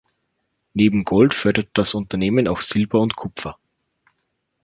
Neben Gold fördert das Unternehmen auch Silber und Kupfer.